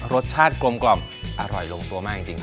รสชาติกลมกล่อมอร่อยลงตัวมากจริง